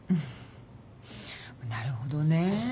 なるほどね。